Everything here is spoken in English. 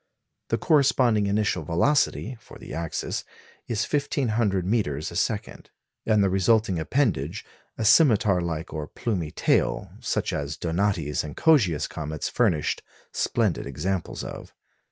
The corresponding initial velocity (for the axis) is 1,500 metres a second, and the resulting appendage a scimitar like or plumy tail, such as Donati's and Coggia's comets furnished splendid examples of.